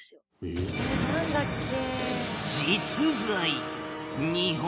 「えっなんだっけ？」